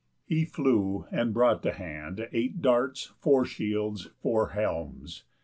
He flew, and brought to hand Eight darts, four shields, four helms.